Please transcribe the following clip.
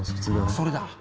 それだ！